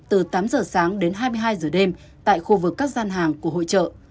từ tám giờ sáng đến hai mươi hai giờ đêm tại khu vực các gian hàng của hội trợ